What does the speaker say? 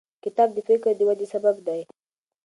کتاب د فکر د ودې سبب دی.